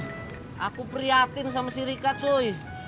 cuy aku prihatin sama si rika cuy